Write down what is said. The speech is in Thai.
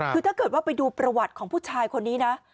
คือถ้าเกิดว่าไปดูประวัติของผู้ชายคนนี้นะ